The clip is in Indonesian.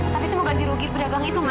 tapi semoga dirugik berdagang itu mas